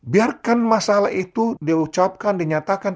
biarkan masalah itu diucapkan dinyatakan